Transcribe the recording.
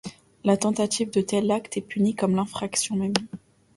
La tentative de tels actes est punie comme l’infraction même.